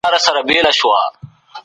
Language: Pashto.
د قدرت منشا بايد معلومه وي.